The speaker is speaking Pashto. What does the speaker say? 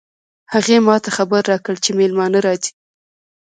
هغې ما ته خبر راکړ چې مېلمانه راځي